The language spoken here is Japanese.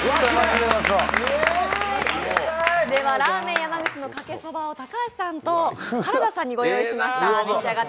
らぁ麺やまぐちのかけそばを高橋さんと原田さんにご用意しました。